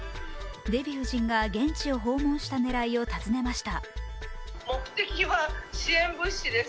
デヴィ夫人が現地を訪問した狙いを尋ねました。